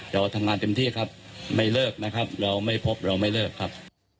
เราทำงานเต็มที่ครับไม่เลิกนะครับเราไม่พบเราไม่เลิกครับ